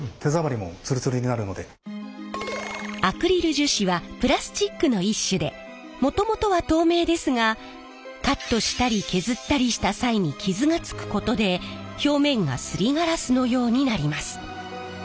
アクリル樹脂はプラスチックの一種でもともとは透明ですがカットしたり削ったりした際に傷がつくことで表面がすりガラスのようになります。